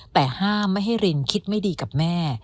แต่ห้ามไม่ให้รินคิดไม่ดีกับแม่